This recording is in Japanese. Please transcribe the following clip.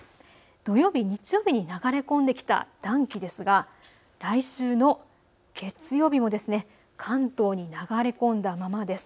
土曜日、日曜日に流れ込んできた暖気ですが来週の月曜日も関東に流れ込んだままです。